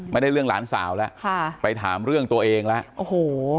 เรื่องหลานสาวแล้วค่ะไปถามเรื่องตัวเองแล้วโอ้โห